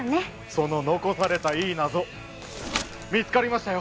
その残されたいい謎見つかりましたよ